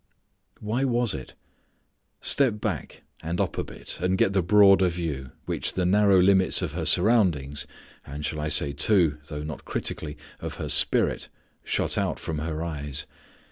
Why was it? Step back and up a bit and get the broader view which the narrow limits of her surroundings, and shall I say, too, though not critically, of her spirit, shut out from her eyes.